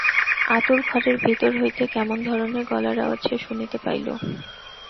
আঁতুড় ঘরের ভিতর হইতে কেমন ধরণের গলার আওয়াজ সে শুনিতে পাইল।